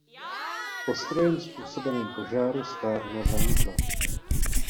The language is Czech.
Po strojem způsobeném požáru sklárna zanikla.